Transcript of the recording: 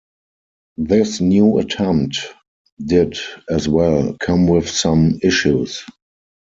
This new attempt did, as well, come with some issues.